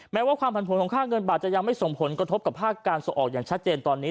แม้ว่าความผันผลของค่าเงินบาทจะยังไม่ส่งผลกระทบกับภาคการส่งออกอย่างชัดเจนตอนนี้